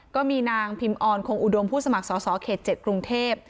ก็มีนางพิมออนคงอุดมผู้สมัครสอสอเขต๗กรุงเทพ